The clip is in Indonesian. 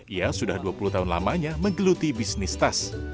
ia sudah dua puluh tahun lamanya menggeluti bisnis tas